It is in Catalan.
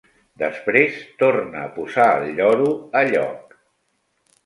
Després torna a posar el lloro a lloc.